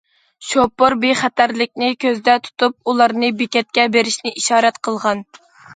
شوپۇر بىخەتەرلىكىنى كۆزدە تۇتۇپ، ئۇلارنى بېكەتكە بېرىشنى ئىشارەت قىلغان.